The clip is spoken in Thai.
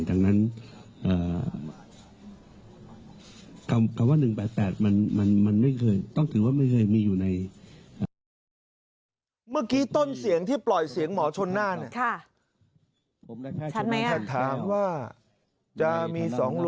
ดังนั้นคำว่า๑๘๘มันไม่เคยต้องถือว่าไม่เคยมีอยู่ใน